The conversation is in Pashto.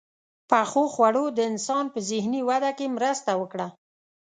• پخو خوړو د انسان په ذهني وده کې مرسته وکړه.